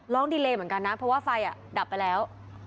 ร้องเดีไรเหมือนกันนะเพราะว่าไฟอ่ะดับไปแล้ว